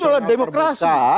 itu adalah demokrasi